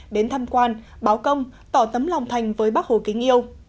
đến tham quan báo công tỏ tấm lòng thành với bác hồ kính yêu